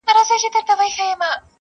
خرامانه په سالو کي ګرځېدي مین دي کړمه؛